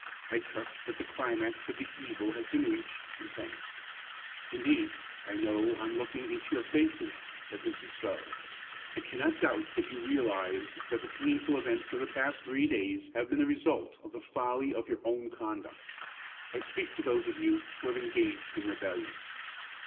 I trust that the climax of the evil has been reached and passed. Indeed, I know on looking into your faces, that this is so. I cannot doubt that you realize that the painful events of the past three days have been the result of the folly of your own conduct. I speak to those of you who have been engaged in rebellion."